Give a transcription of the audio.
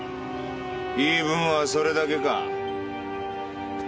言い分はそれだけか？